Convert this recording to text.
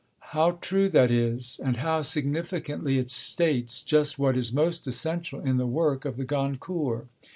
How true that is, and how significantly it states just what is most essential in the work of the Goncourts!